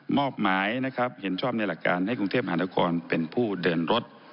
มอบหมายนะครับเห็นชอบในหลักการให้กรุงเทพมหานครเป็นผู้เดินรถ